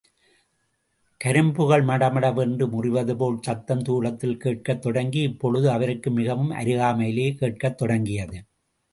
கரும்புகள் மடமட வென்று முறிவதுபோல் சத்தம் தூரத்தில் கேட்கத் தொடங்கி, இப்பொழுது அவருக்கு மிகவும் அருகாமையிலே கேட்கத் தொடங்கியது.